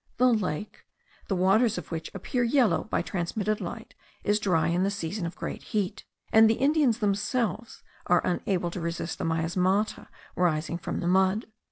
The lake, the waters of which appear yellow by transmitted light, is dry in the season of great heat, and the Indians themselves are unable to resist the miasmata rising from the mud.